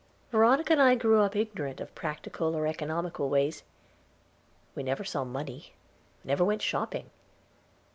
Veronica and I grew up ignorant of practical or economical ways. We never saw money, never went shopping.